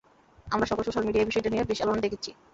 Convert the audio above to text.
আমরা সকল সোশ্যাল মিডিয়ায় এই বিষয়টা নিয়ে বেশ আলোড়ন দেখেছি।